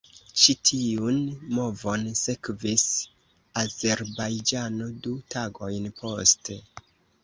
Ĉi tiun movon sekvis Azerbajĝano du tagojn poste.